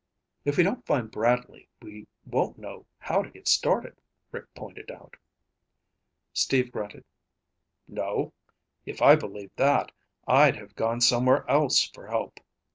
"If we don't find Bradley, we won't know how to get started," Rick pointed out. Steve grunted. "No? If I believed that, I'd have gone somewhere else for help.